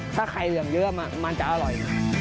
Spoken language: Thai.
ถ้าใครเหลืองเยอะมันจะอร่อย